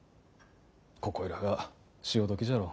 ここいらが潮時じゃろう。